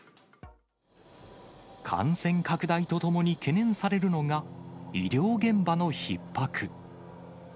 感染拡大とともに懸念されるのが、医療現場のひっ迫。